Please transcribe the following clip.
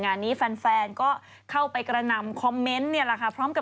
งานนี้แฟนก็เข้าไปกระนำคอมเมนต์เนี่ยแหละค่ะพร้อมกับ